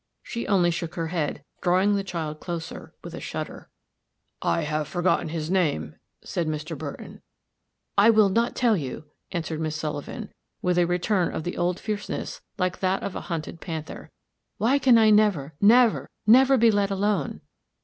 She only shook her head, drawing the child closer, with a shudder. "I have forgotten his name," said Mr. Burton. "I will not tell you," answered Miss Sullivan, with a return of the old fierceness, like that of a hunted panther. "Why can I never, never, never be let alone?"